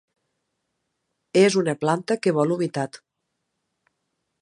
És una planta que vol humitat.